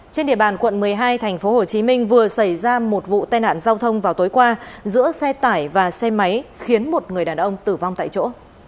trên địa bàn quận một mươi hai tp hcm vừa xảy ra một vụ tai nạn giao thông vào tối qua giữa xe tải và xe máy khiến một người đàn ông tử vong tại chỗ